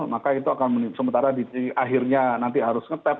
maka itu akan sementara di akhirnya nanti harus nge tap